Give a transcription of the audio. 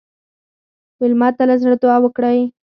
مېلمه ته له زړه دعا وکړئ.